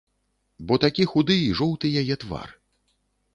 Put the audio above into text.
Бо такі худы і жоўты яе твар.